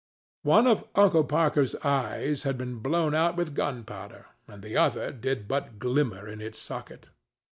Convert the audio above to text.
One of Uncle Parker's eyes had been blown out with gunpowder, and the other did but glimmer in its socket.